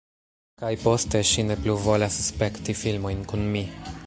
Kaj poste, ŝi ne plu volas spekti filmojn kun mi.